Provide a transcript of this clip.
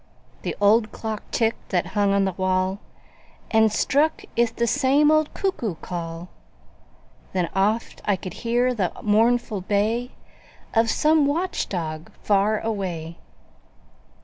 The old clock ticked that hung on the wall And struck 'th the same old cuckoo call; Then oft I could hear the mournful bay Of some watch dog far away.